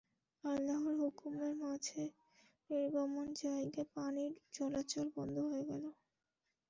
আল্লাহর হুকুমে মাছের নির্গমন জায়গায় পানির চলাচল বন্ধ হয়ে গেল।